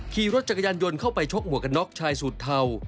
ขี่รถจักรยานยนต์เข้าไปชกหมวกกันน็อกชายสูตรเทา